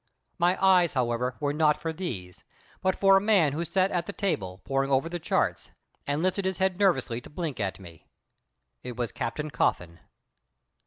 My eyes, however, were not for these, but for a man who sat at the table, poring over the charts, and lifted his head nervously to blink at me. It was Captain Coffin.